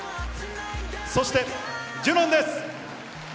そしてジュウォンです。